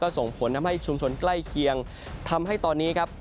ส่งผลทำให้ชุมชนใกล้เคียงทำให้ตอนนี้ครับ